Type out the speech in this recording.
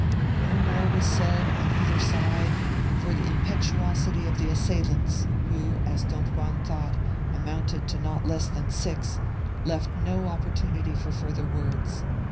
No more was said on either side, for the impetuosity of the assailants, who, as Don Juan thought, amounted to not less than six, left no opportunity for further words.